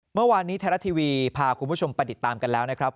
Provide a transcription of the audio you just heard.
เมื่อวานนี้ไทยรัฐทีวีพาคุณผู้ชมไปติดตามกันแล้วนะครับ